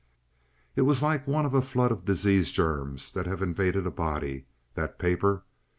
It was like one of a flood of disease germs that have invaded a body, that paper.